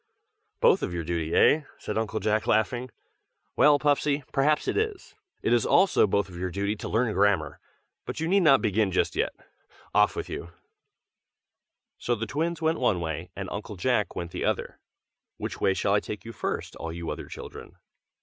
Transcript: "Both of your duty, eh?" said Uncle Jack, laughing. "Well, Puffsy, perhaps it is. It is also both of your duty to learn grammar, but you need not begin just yet. Off with you!" So the twins went one way, and Uncle Jack went the other. Which way shall I take you first, all you other children?